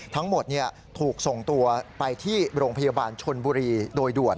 ทั้งหมดถูกส่งตัวไปที่โรงพยาบาลชนบุรีโดยด่วน